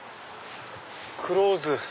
クローズ！